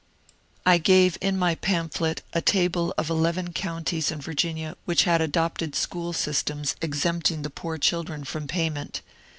I gave in my pamphlet a table of eleven counties in Vir ginia which had adopted school systems exempting the poor children from payment.